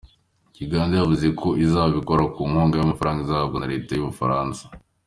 Uganda yavuze ko izabikora ku nkunga y’amafaranga izahabwa na Leta Ubufaransa.